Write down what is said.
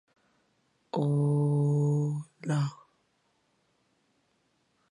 En uno de los ángulos se desprende una cascada entre rocas.